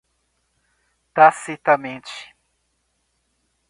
tacitamente